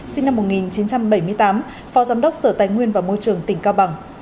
sinh năm một nghìn chín trăm bảy mươi tám phó giám đốc sở tài nguyên và môi trường tỉnh cao bằng